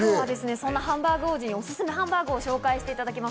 そんなハンバーグ王子に、今日はオススメのハンバーグを紹介していただきます。